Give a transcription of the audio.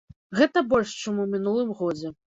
Гэта больш, чым у мінулым годзе.